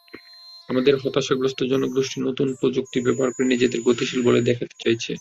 আমাদের হতাশাগ্রস্ত জনগোষ্ঠী নতুন প্রযুক্তি ব্যবহার করে নিজেদের গতিশীল বলে দেখাতে চাইছে।